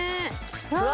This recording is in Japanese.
うわ！